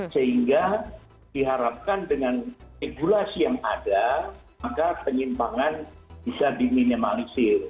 sehingga diharapkan dengan regulasi yang ada maka penyimpangan bisa diminimalisir